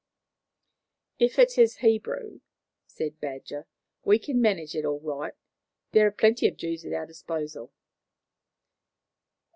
"If it is Hebrew," said Badger, "we can manage it all right. There are plenty of Jews at our disposal."